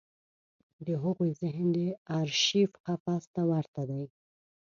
د هغوی ذهن د ارشیف قفس ته ورته دی.